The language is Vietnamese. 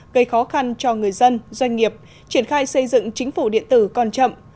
gây khó khăn cho người dân doanh nghiệp triển khai xây dựng chính phủ điện tử còn chậm